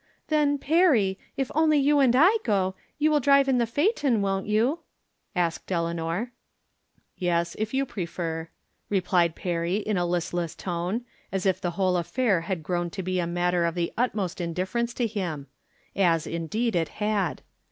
" Then, Perry, if only you and I go, you will drive in the phaeton, won't you ?" asked Elea nor. " Yes, if you prefer," replied Perry, in a listless tone, as if the whole affair had grown to be a matter of the utmost indifference to him — as, in deed, it had.